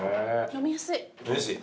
飲みやすい？